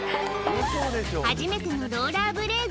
初めてのローラーブレード。